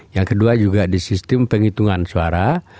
yang kedua juga di sistem penghitungan suara